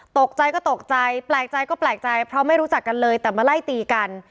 ตกใจก็ตกใจแปลกใจก็แปลกใจเพราะไม่รู้จักกันเลยแต่มาไล่ตีกัน